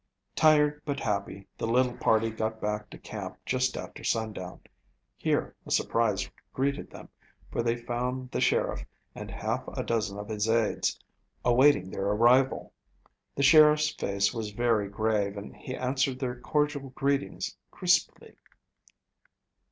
Tired but happy, the little party got back to camp just after sundown. Here a surprise greeted them, for they found the sheriff, and half a dozen of his aids, awaiting their arrival. The sheriff's face was very grave and he answered their cordial greetings crisply.